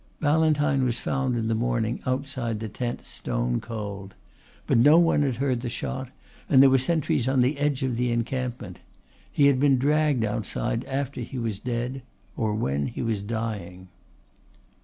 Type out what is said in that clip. "Ballantyne was found in the morning outside the tent stone cold. But no one had heard the shot, and there were sentries on the edge of the encampment. He had been dragged outside after he was dead or when he was dying."